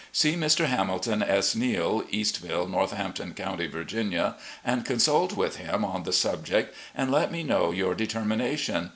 See Mr. Hamilton S. Neale (Eastville, Northampton Coimty, Virginia) and constdt with him on the subject and let me know your determination.